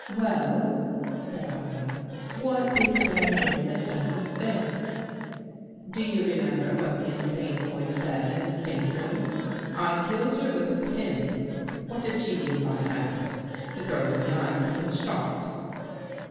" Well," said I, " what is there here that doesn't fit?" " Do you remember what the insane voice said in the stateroom? ' I killed her with a pin.' What did she mean by that? The girl in the ice had been shot."